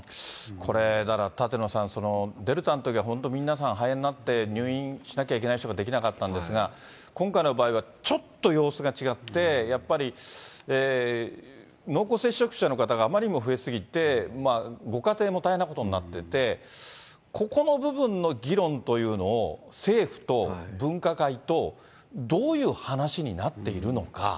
これ、だから舘野さん、デルタのときは本当、皆さん肺炎になって、入院しなきゃいけない人ができなかったんですが、今回の場合はちょっと様子が違って、やっぱり、濃厚接触者の方があまりにも増えすぎて、ご家庭も大変なことになってて、ここの部分の議論というのを、政府と分科会とどういう話になっているのか。